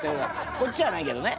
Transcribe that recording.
こっちじゃないけどね。